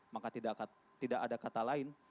maka tidak ada kata lain